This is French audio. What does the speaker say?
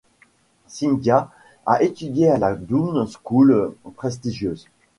Scindia a étudié à La Doon School prestigieuse.